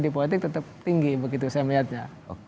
di politik tetap tinggi begitu saya melihatnya